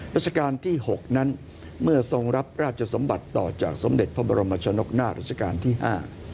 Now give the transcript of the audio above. ราชการที่๖นั้นเมื่อทรงรับราชสมบัติต่อจากสมเด็จพระบรมชนกนาศรัชกาลที่ห้า